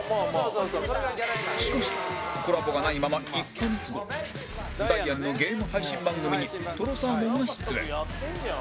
しかしコラボがないまま１カ月後ダイアンのゲーム配信番組にとろサーモンが出演